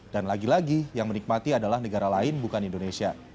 dan lagi lagi yang menikmati adalah negara lain bukan indonesia